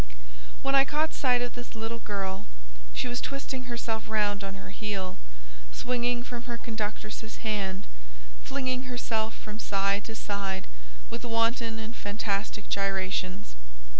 When I caught sight of this little girl, she was twisting herself round on her heel, swinging from her conductress's hand, flinging herself from side to side with wanton and fantastic gyrations.